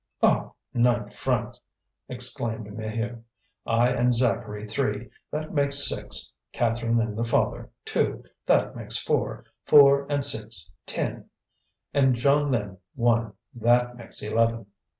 "Oh! nine francs!" exclaimed Maheu. "I and Zacharie three: that makes six, Catherine and the father, two: that makes four: four and six, ten, and Jeanlin one, that makes eleven."